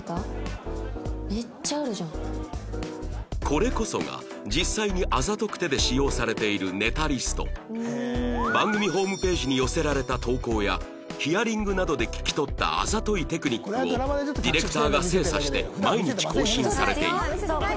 これこそが実際に番組ホームページに寄せられた投稿やヒアリングなどで聞き取ったあざといテクニックをディレクターが精査して毎日更新されていく